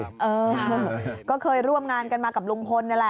เออก็เคยร่วมงานกันมากับลุงพลนี่แหละ